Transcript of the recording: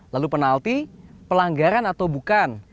lalu penalti pelanggaran atau bukan